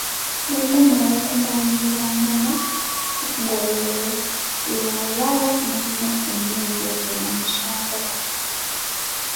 Bwe mumala okumanyiiragana, ng'olwo bw'olaba munno ng'ennyindo bwe yamusongola.